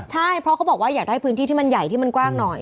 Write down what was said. ใช่เพราะเขาบอกว่าอยากได้พื้นที่ที่มันใหญ่ที่มันกว้างหน่อย